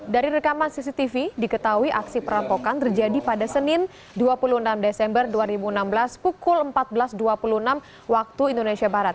dari rekaman cctv diketahui aksi perampokan terjadi pada senin dua puluh enam desember dua ribu enam belas pukul empat belas dua puluh enam waktu indonesia barat